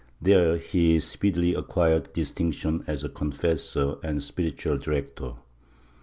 There he speedily acquired distinction as a confessor and spiritual director.